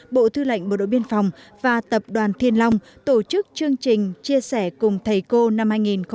bộ thư lệnh bộ đội biên phòng và tập đoàn thiên long tổ chức chương trình chia sẻ cùng thầy cô năm hai nghìn một mươi chín